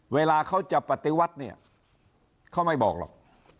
เวลาเขาจะปฏิวัติเนี่ยเขาไม่บอกหรอก